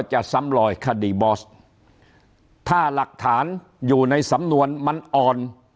ซ้ำลอยคดีบอสถ้าหลักฐานอยู่ในสำนวนมันอ่อน